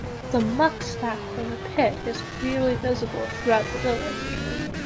The "muck" stack from the pit is clearly visible throughout the village.